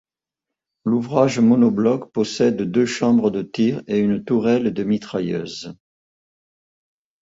L'ouvrage monobloc possède deux chambres de tir et une tourelle de mitrailleuses.